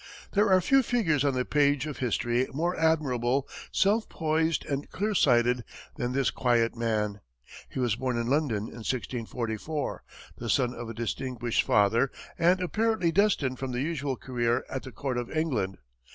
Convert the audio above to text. There are few figures on the page of history more admirable, self poised, and clear sighted than this quiet man. He was born in London in 1644, the son of a distinguished father, and apparently destined for the usual career at the court of England.